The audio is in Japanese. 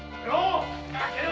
開けろ！